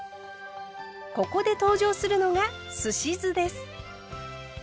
ここで登場するのがすし酢です。